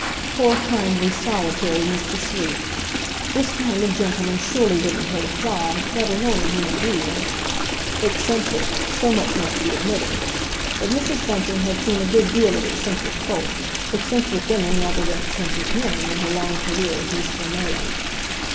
Poor kindly, solitary Mr. Sleuth! This kind of gentleman surely wouldn't hurt a fly, let alone a human being. Eccentric—so much must be admitted. But Mrs. Bunting had seen a good deal of eccentric folk, eccentric women rather than eccentric men, in her long career as useful maid.